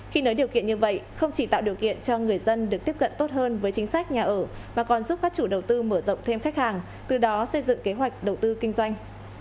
khi nới điều kiện như vậy không chỉ tạo điều kiện cho người dân được tiếp cận tốt hơn với chính sách nhà ở mà còn giúp các chủ đầu tư mở rộng thêm khách hàng từ đó xây dựng kế hoạch đầu tư kinh doanh